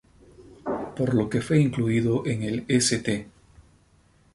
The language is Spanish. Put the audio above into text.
Por lo que fue incluido en el St.